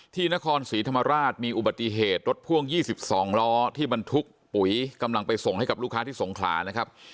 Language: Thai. ที่นครศรีธรรมราชมีอุบัติเหตุรถพ่วง๒๒ล้อที่บรรทุกปุ๋ยกำลังไปส่งให้กับลูกค้าที่สงขลานะครับ